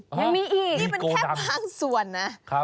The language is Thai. ยังมีอีกมีโกดังนี่เป็นแค่บางส่วนนะ